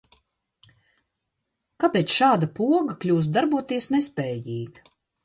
Kāpēc šāda poga kļūst darboties nespējīga?